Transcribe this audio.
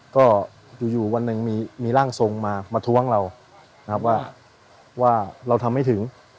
ก็อยู่วันหนึ่งมีร่างทรงมามาท้วงเรานะครับว่าเราทำไม่ถึง